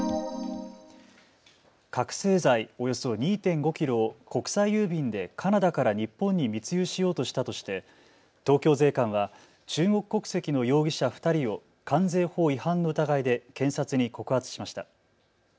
覚醒剤およそ２．５キロを国際郵便でカナダから日本に密輸しようとしたとして東京税関は中国国籍の容疑者２人を関税法違反の疑いで検察に告発しました。